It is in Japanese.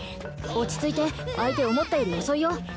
落ち着いて相手思ったより遅いよ